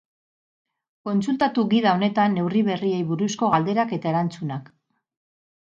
Kontsultatu gida honetan neurri berriei buruzko galderak eta erantzunak.